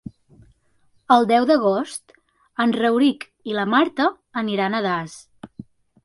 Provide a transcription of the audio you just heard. El deu d'agost en Rauric i na Marta aniran a Das.